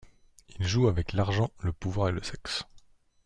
Ils jouent avec l'argent, le pouvoir et le sexe.